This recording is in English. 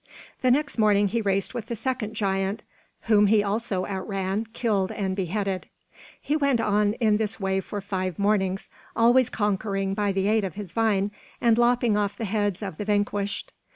The next morning he raced with the second giant, whom he also outran, killed and beheaded. He went on in this way for five mornings, always conquering by the aid of his vine, and lopping off the heads of the vanquished.